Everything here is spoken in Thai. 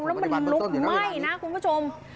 แล้วมันลุกไหม้นะคุณผู้ชม